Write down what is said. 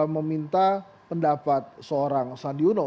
meminta pendapat seorang sandi uno